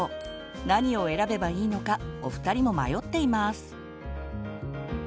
何を選べばいいのかお二人も迷っています。